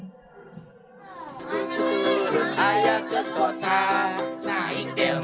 pertama anak anak yang tidak bisa berpikir pikir